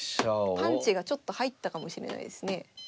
パンチがちょっと入ったかもしれないですね。